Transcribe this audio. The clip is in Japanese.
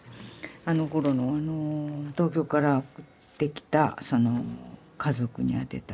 あのころの東京から送ってきた家族に宛てた。